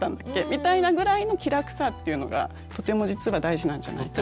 みたいなぐらいの気楽さっていうのがとても実は大事なんじゃないかなって。